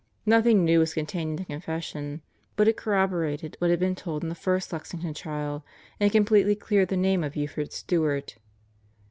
Nothing new was contained in the confession, but it corroborated what had been told in the first Lexington trial and completely cleared the name of Buford Stewart.